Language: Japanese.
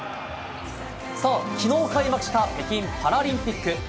昨日開幕した北京パラリンピック。